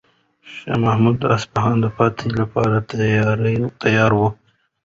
شاه محمود د اصفهان د فتح لپاره تیار و.